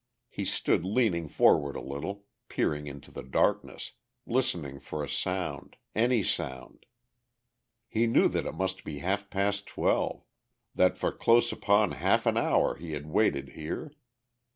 He stood leaning forward a little, peering into the darkness, listening for a sound, any sound. He knew that it must be half past twelve, that for close upon half an hour he had waited here.